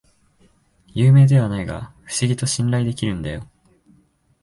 有名ではないが不思議と信頼できるんだよ